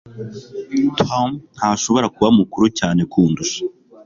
Tom ntashobora kuba mukuru cyane kundusha